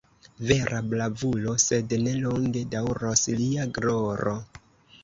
Vera bravulo, sed ne longe daŭros lia gloro!